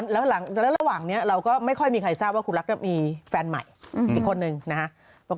และระหว่างนี้เราก็ไม่ค่อยมีใครทราบ